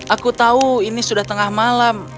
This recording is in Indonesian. aku tahu ini sudah tengah malam